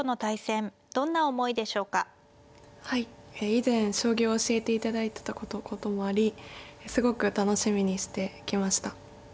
以前将棋を教えていただいてたこともありすごく楽しみにしてきました。